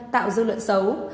tạo dư luận xấu